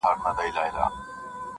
زما په غاړه یې دا تروم را ځړولی -